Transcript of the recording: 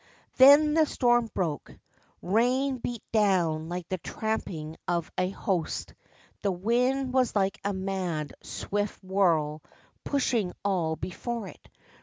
Then the storm broke. Bain beat down like the tramping of a host. The wind was like a mad, swift whirl, pushing all before it.